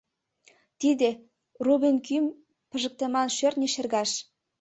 — Тиде — рубин кӱм пижыктыман шӧртньӧ шергаш.